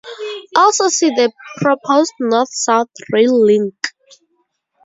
Also see the proposed North-South Rail Link.